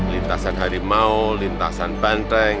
lintasan harimau lintasan pantai